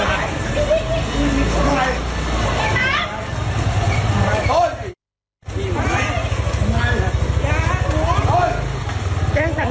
เฮ้ยเค้ามีผู้หญิง